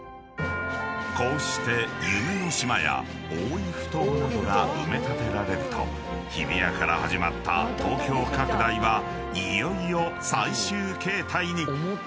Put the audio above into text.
［こうして夢の島や大井埠頭などが埋め立てられると日比谷から始まった東京拡大はいよいよ最終形態に］